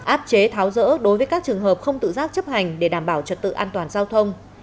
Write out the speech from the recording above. áp chế tháo rỡ đối với các trường hợp không tự giác chấp hành để đảm bảo trật tự an toàn giao thông